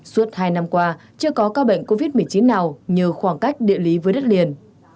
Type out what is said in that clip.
suốt hai năm qua chưa có ca bệnh covid một mươi chín nào nhờ khoảng cách địa lý với đất liền